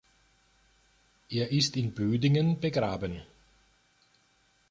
Er ist in Bödingen begraben.